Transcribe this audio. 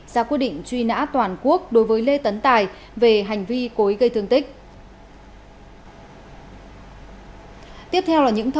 ra quy định truy nã toàn quốc đối với lê tấn tài về hành vi cố ý gây thương tích